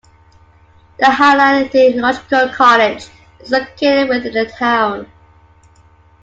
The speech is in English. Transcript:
The Highland Theological College is located within the town.